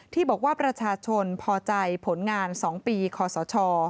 ที่บอกว่าประชาชนพอใจผลงาน๒ปีคอสช